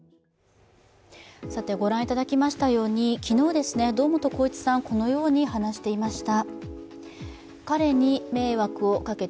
ご覧いただきましたように、昨日、堂本光一さんはこのように話していました。